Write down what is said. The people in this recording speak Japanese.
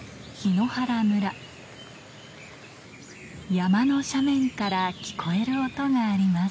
山の斜面から聞こえる音があります